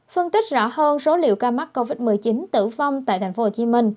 phân tích rõ hơn số liệu ca mắc covid một mươi chín tử vong tại tp hcm